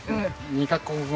２カ国語？